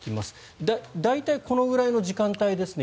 いつも大体このくらいの時間帯ですね。